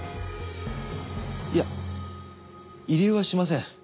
いや慰留はしません。